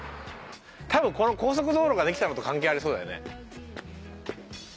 多分この高速道路ができたのと関係ありそうだよね。